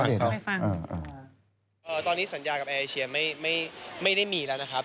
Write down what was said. เล่าให้ฟังตอนนี้สัญญากับแอร์เอเชียไม่ได้มีแล้วนะครับ